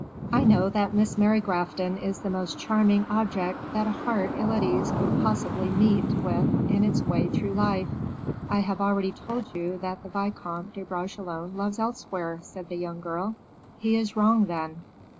"I know that Miss Mary Grafton is the most charming object that a heart ill at ease could possibly meet with in its way through life." "I have already told you that the Vicomte de Bragelonne loves elsewhere," said the young girl. "He is wrong, then."